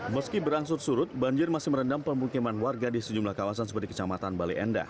meski berangsur surut banjir masih merendam pemungkiman warga di sejumlah kawasan seperti kecamatan balienda